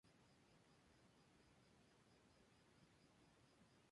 La escuela sigue funcionando hoy en día.